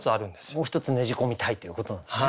もう１つねじ込みたいということなんですね。